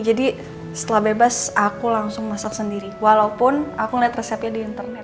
jadi setelah bebas aku langsung masak sendiri walaupun aku ngeliat resepnya di internet